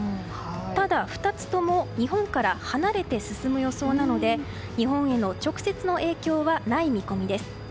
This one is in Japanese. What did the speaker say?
ただ、２つとも日本から離れて進む予想なので日本への直接の影響はない見込みです。